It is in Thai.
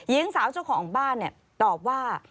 หญิงสาวเจ้าของบ้านตอบว่า